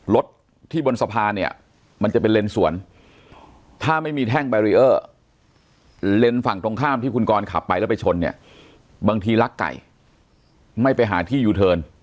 รถที่บนสะพานเนี่ยมันจะเป็นเลนสวนถ้าไม่มีแท่งแบรีเออร์เลนส์ฝั่งตรงข้ามที่คุณกรขับไปแล้วไปชนเนี่ยบางทีลักไก่ไม่ไปหาที่ยูเทิร์น